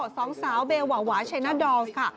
สองสาวเบลวาวาชัยน่าดองส์ค่ะ